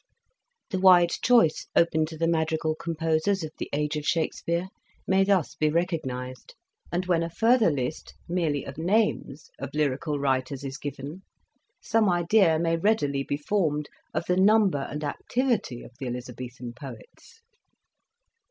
The wide choice open to the madrigal com posers of the age of Shakespeare may thus be recognised, and when a further list, merely of names, of lyrical writers is given some idea may readily be formed of the number and activity of the Elizabethan poets.